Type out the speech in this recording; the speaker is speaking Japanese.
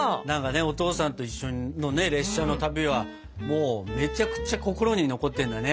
お父さんと一緒の列車の旅はもうめちゃくちゃ心に残ってるんだね。